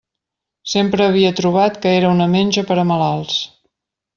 Sempre havia trobat que era una menja per a malalts.